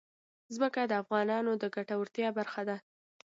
ځمکه د افغانانو د ګټورتیا برخه ده.